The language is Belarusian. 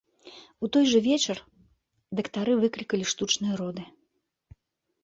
У той жа вечар дактары выклікалі штучныя роды.